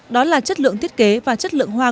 đó là chất lượng thiết kế và chất lượng hoa